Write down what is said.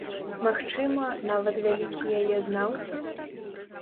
Магчыма, нават вялікі яе знаўца?